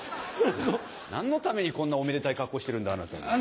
何のためにこんなおめでたい格好をしてるんだあなた。